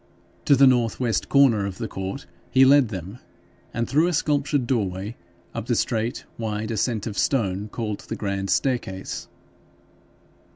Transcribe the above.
To the north west corner of the court he led them, and through a sculptured doorway up the straight wide ascent of stone called the grand staircase.